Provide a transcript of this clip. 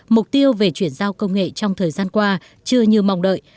mục tiêu về chuyển giao công nghệ trong thời gian qua chưa như mong đợi